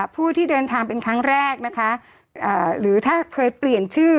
ผู้ที่เดินทางเป็นครั้งแรกนะคะหรือถ้าเคยเปลี่ยนชื่อ